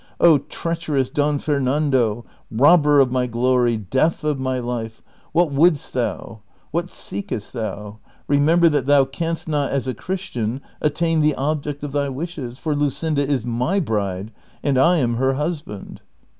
O, treacherous Don Fernando ! robljer of my glory, death of my life ! what wouldst thou? What seekest thou? Remember that thou canst not as a Christian attain the object of thy wishes, for Luseinda is my bride, and I am her husband